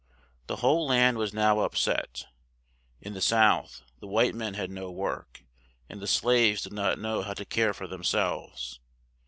The whole land was now up set; in the South the white men had no work; and the slaves did not know how to care for them selves.